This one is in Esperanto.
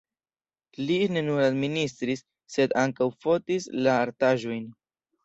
Li ne nur administris, sed ankaŭ fotis la artaĵojn.